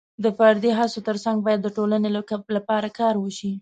د فردي هڅو ترڅنګ باید د ټولنې لپاره کار وشي.